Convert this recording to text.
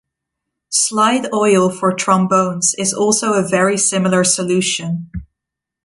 Slide oil for trombones is also a very similar solution.